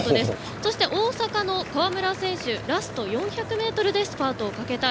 そして大阪の河村選手ラスト４００ｍでスパートをかけたい。